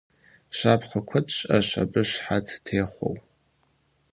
Щапхъэ куэд щыӀэщ абы щыхьэт техъуэу.